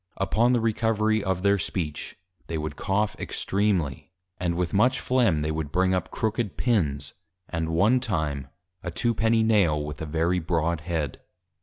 Upon the Recovery of their Speech, they would Cough extreamly; and with much Flegm, they would bring up Crooked Pins; and one time, a Two penny Nail, with a very broad Head.